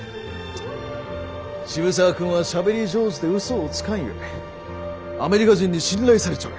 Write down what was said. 渋沢君はしゃべり上手でうそをつかんゆえアメリカ人に信頼されちょる。